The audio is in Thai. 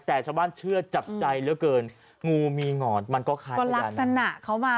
แต่ชาวบ้านเชื่อจับใจเหลือเกินงูมีหงอนมันก็คล้ายก็ลักษณะเขามา